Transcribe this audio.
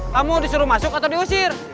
kamu disuruh masuk atau diusir